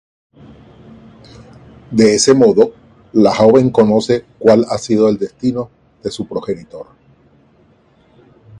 De ese modo, la joven conoce cuál ha sido el destino de su progenitor.